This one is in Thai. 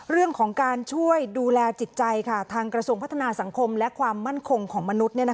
เรื่องของการช่วยดูแลจิตใจทางกระทรวงพัฒนาสังคมและความมั่นคงของมนุษย์